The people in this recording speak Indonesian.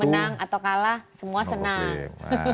jadi menang atau kalah semua senang